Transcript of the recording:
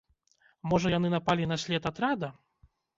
Можа яны напалі на след атрада?